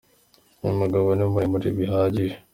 Uyu mugabo ni muremure bihagije.